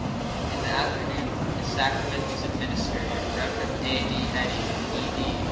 In the afternoon the Sacrament was administered and Rev. A. D. Eddy, D. D.